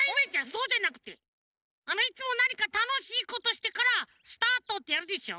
そうじゃなくてあのいつもなにかたのしいことしてから「スタート！」ってやるでしょ。